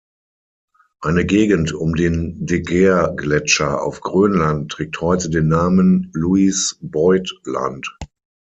Eine Gegend um den De-Geer-Gletscher auf Grönland trägt heute den Namen "Louise-Boyd-Land".